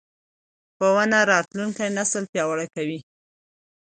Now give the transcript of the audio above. ښوونه راتلونکی نسل پیاوړی کوي